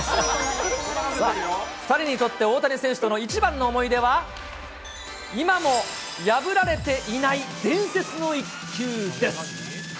さあ、２人にとって大谷選手との一番の思い出は、今も破られていない伝説の一球です。